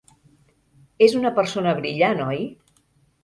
És una persona brillant, oi?